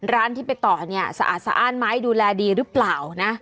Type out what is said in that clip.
ร้านที่ไปต่อเนี่ยสะอาดมั้ยดูแลดีรึเปล่านะ